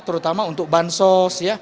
terutama untuk bansor